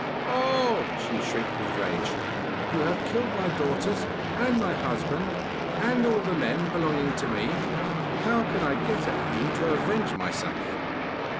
'Oh,' she shrieked with rage, 'you have killed my daughters and my husband, and all the men belonging to me; how can I get at you to avenge myself?